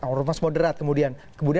ormas moderat kemudian